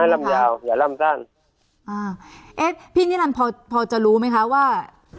ลำยาวอย่าลำสั้นอ่าเอ๊ะพี่นิรันดิพอพอจะรู้ไหมคะว่า